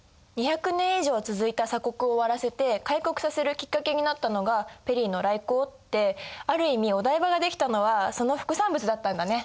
２００年以上続いた鎖国を終わらせて開国させるきっかけになったのがペリーの来航ってある意味お台場が出来たのはその副産物だったんだね。